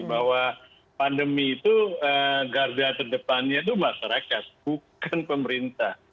bahwa pandemi itu garda terdepannya itu masyarakat bukan pemerintah